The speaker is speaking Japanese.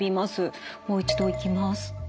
もう一度いきます。